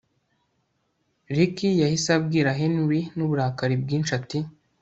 Rick yahise abwira Henry nuburakari bwinshi ati